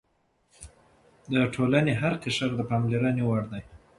د ټولنې هر قشر د پاملرنې وړ دی.